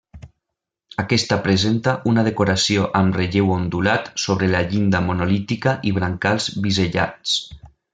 Aquesta presenta una decoració en relleu ondulat sobre la llinda monolítica i brancals bisellats.